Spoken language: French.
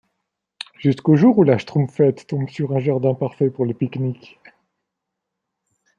Jusqu'au jour où la Schtroumpfette tombe sur un jardin parfait pour le pique-nique...